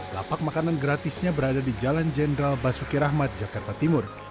lapak makanan gratisnya berada di jalan jenderal basuki rahmat jakarta timur